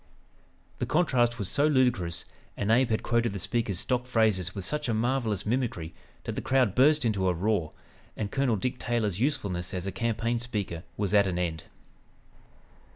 '" The contrast was so ludicrous, and Abe had quoted the speaker's stock phrases with such a marvelous mimicry that the crowd burst into a roar, and Colonel Dick Taylor's usefulness as a campaign speaker was at an end.